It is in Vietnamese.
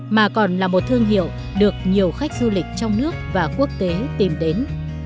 mà còn là một thương hiệu được nhiều khách du lịch trong nước và quốc tế tìm đến